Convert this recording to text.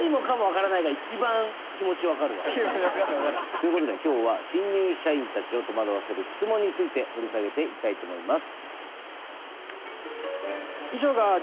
ということで今日は新入社員たちを戸惑わせる質問について掘り下げていきたいと思います。